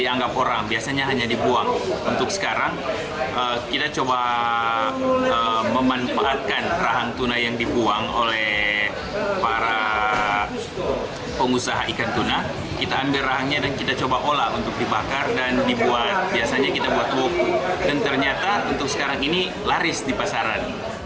nah ini laris di pasaran